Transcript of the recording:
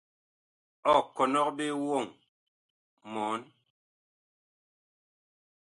Ɔ kɔnɔg ɓe woŋ mɔɔn.